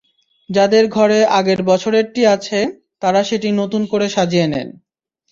যাঁদের ঘরে আগের বছরেরটি আছে, তাঁরা সেটি নতুন করে সাজিয়ে নেন।